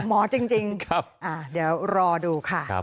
หมอจริงเดี๋ยวรอดูค่ะ